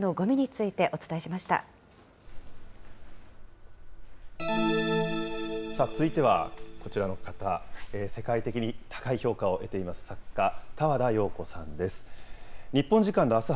続いてはこちらの方、世界的に高い評価を得ています作家、多和田葉子さんです。